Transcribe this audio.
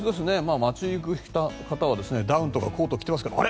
街行く方はダウンとかコートを着てますけどあれ？